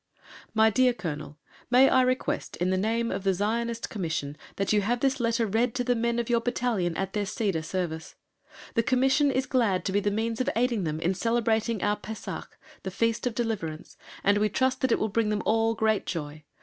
My dear Colonel, May I request, in the name of the Zionist Commission, that you have this letter read to the men of your battalion at their Seder Service. The Commission is glad to be the means of aiding them in celebrating our Pesach, the Feast of Deliverance, and we trust that it will bring them all great joy.